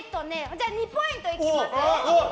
じゃあ２ポイントいきます。